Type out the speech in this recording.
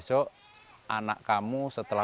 besok anak kamu bisa lahir di sini